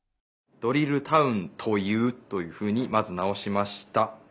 「ドリルタウン『という』」というふうにまずなおしました。